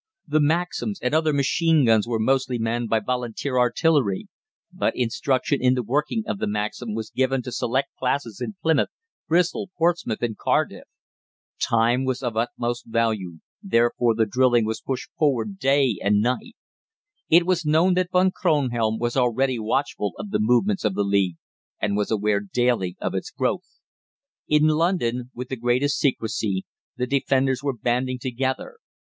The Maxims and other machine guns were mostly manned by Volunteer artillery; but instruction in the working of the Maxim was given to select classes in Plymouth, Bristol, Portsmouth, and Cardiff. Time was of utmost value, therefore the drilling was pushed forward day and night. It was known that Von Kronhelm was already watchful of the movements of the League, and was aware daily of its growth. In London, with the greatest secrecy, the defenders were banding together.